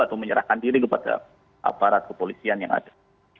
atau menyerahkan diri kepada aparat kepolisian yang ada